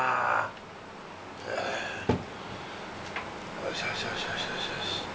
よしよしよしよしよし。